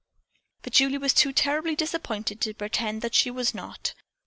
But Julie was too terribly disappointed to pretend that she was not.